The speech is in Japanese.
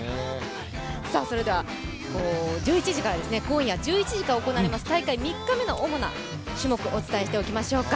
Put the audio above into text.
それでは今夜１１時から行われます大会３日目の主な種目、お伝えしておきましょうか。